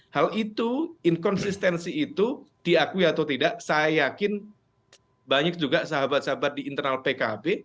hal itu inkonsistensi itu diakui atau tidak saya yakin banyak juga sahabat sahabat di internal pkb